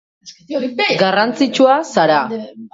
Garrantzitsua zara.